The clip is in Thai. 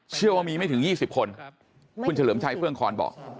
เชื่อว่ามีไม่ถึง๒๐คน